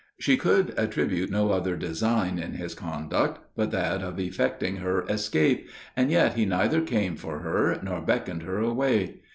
She could attribute no other design in his conduct but that of effecting her escape, and yet he neither came for her, nor beckoned her away.